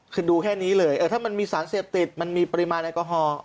คือดูแค่นี้เลยถ้ามันมีสารเสพติดมันมีปริมาณแอลกอฮอล์